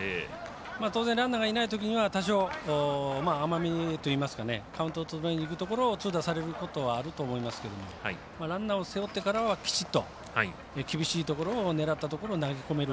当然ランナーがいないときには多少甘めにというかカウントを取りにいくところを痛打されるということもありますがランナーを背負ってからはピシッと厳しいところを狙ったところに投げ込める。